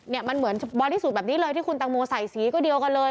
เนี่ยมันเหมือนบอดี้สูตรแบบนี้เลยที่คุณตังโมใส่สีก็เดียวกันเลย